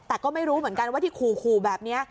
แต่ก็ไม่รู้เหมือนกันว่าที่ขู่แบบนี้